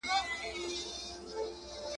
• ت